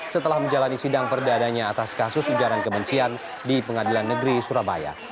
setelah menjalani sidang perdananya atas kasus ujaran kebencian di pengadilan negeri surabaya